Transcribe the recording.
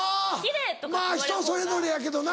あぁまぁ人それぞれやけどな。